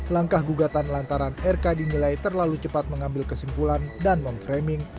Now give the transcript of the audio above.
langkah gugatan lantaran rk dinilai terlalu cepat mengambil kesimpulan dan memframing